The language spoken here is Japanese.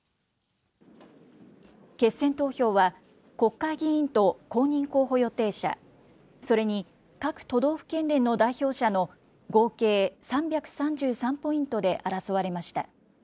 決選投票は、国会議員と公認候補予定者、それに各都道府県連の代表者の合計３３３ポイントで争われました。